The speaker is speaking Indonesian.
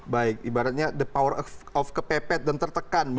baik ibaratnya the power of kepepet dan tertekan